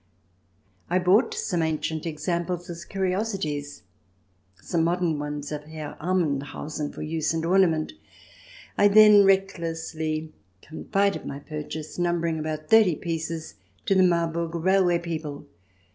I bought some ancient examples as curiosities; CH. IX] CHESTS AND COSTUMES 129 some modern ones of Herr Amendhausen for use and ornament. I then recklessly confided my pur chase, numbering about thirty pieces, to the Marburg railway people.